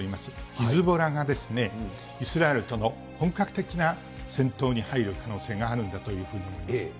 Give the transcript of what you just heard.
ヒズボラがイスラエルとの本格的な戦闘に入る可能性があるんだというふうに思います。